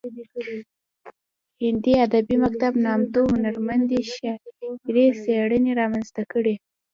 هندي ادبي مکتب نامتو هنرمندې شعري څیرې رامنځته کړې